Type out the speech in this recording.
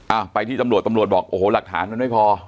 อ่ะไปที่ตำรวจตำรวจบอกโอ้โหหลักฐานมันไม่พอ